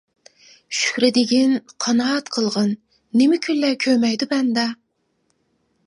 شۈكرى دېگىن، قانائەت قىلغىن، نېمە كۈنلەر كۆرمەيدۇ بەندە.